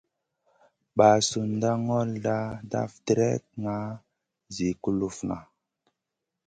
Ɓasunda ŋolda daf dregŋa zi kulufna.